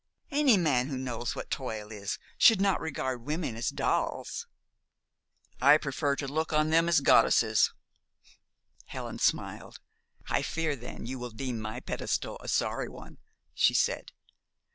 Any man who knows what toil is should not regard women as dolls." "I prefer to look on them as goddesses." Helen smiled. "I fear, then, you will deem my pedestal a sorry one," she said.